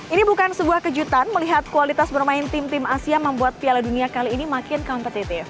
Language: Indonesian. ini bukan sebuah kejutan melihat kualitas bermain tim tim asia membuat piala dunia kali ini makin kompetitif